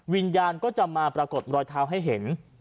วิญญาณก็จะมาปรากฏรอยเท้าให้เห็น